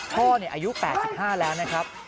พ่ออายุ๘๕แล้วนะครับ